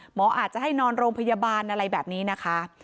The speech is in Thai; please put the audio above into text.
อาจจะให้นอนโรงพยาบาลอะไรแบบนี้นะคะ